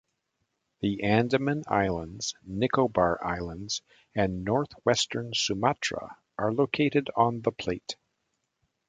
The Andaman Islands, Nicobar Islands, and northwestern Sumatra are located on the plate.